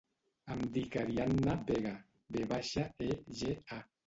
Em dic Arianna Vega: ve baixa, e, ge, a.